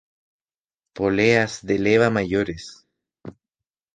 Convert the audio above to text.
Poleas de leva mayores.